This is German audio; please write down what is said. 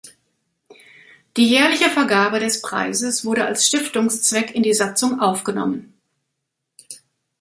Die jährliche Vergabe des Preises wurde als Stiftungszweck in die Satzung aufgenommen.